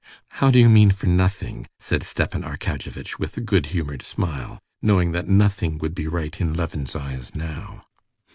"How do you mean for nothing?" said Stepan Arkadyevitch with a good humored smile, knowing that nothing would be right in Levin's eyes now.